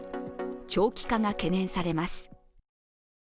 長期化が懸念されます。